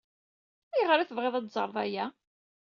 Ayɣer ay tebɣiḍ ad teẓreḍ aya?